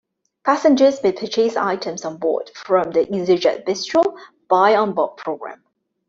Passengers may purchase items on board from the "easyJet Bistro" buy on board programme.